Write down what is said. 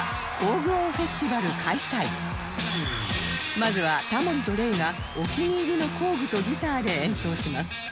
まずはタモリと Ｒｅｉ がお気に入りの工具とギターで演奏します